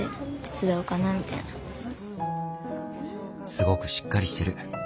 すごくしっかりしてる。